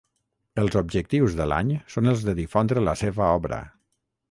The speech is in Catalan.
Els objectius de l'Any són els de difondre la seva obra.